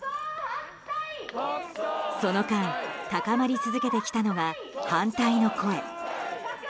その間、高まり続けてきたのが反対の声。